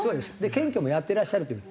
検挙もやってらっしゃるという。